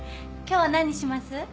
今日は何にします？